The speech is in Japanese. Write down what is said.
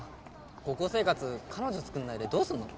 高校生活彼女つくんないでどうすんの？